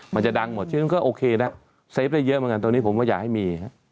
มันจะดังหมดฉะนั้นก็โอเคแล้วเซฟได้เยอะเหมือนกันตรงนี้ผมก็อยากให้มี